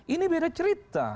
ini beda cerita